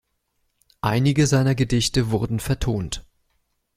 Einige seiner Gedichte wurden vertont.